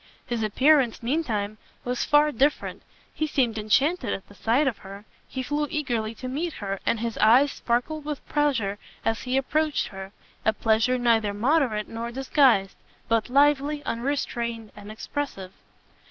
His appearance, meantime, was far different; he seemed enchanted at the sight of her, he flew eagerly to meet her, and his eyes sparkled with pleasure as he approached her; a pleasure neither moderate nor disguised, but lively, unrestrained, and expressive.